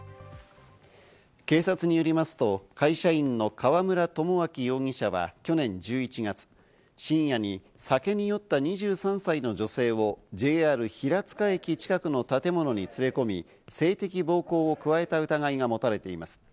警察によりますと会社員の河村友章容疑者は去年１１月、深夜に酒に酔った２３歳の女性をＪＲ平塚駅近くの建物に連れ込み、性的暴行を加えた疑いが持たれています。